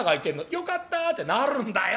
よかったってなるんだよ。